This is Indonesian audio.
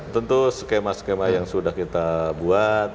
tentu skema skema yang sudah kita buat